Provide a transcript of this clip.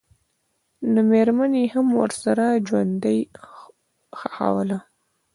نومېرمن یې هم ورسره ژوندۍ ښخوله.